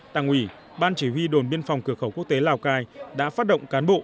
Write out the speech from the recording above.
tăng ủy ban chỉ huy đồn biên phòng cửa khẩu quốc tế lào cai đã phát động cán bộ